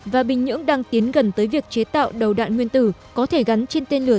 và bình nhưỡng đang tiến gần tới việc chế tạo đầu đạn nguyên tử có thể gắn trên tên lửa